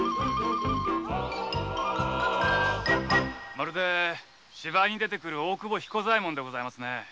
・まるで芝居に出てくる大久保彦左衛門でございますね。